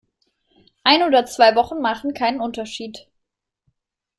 Ein oder zwei Wochen machen keinen Unterschied.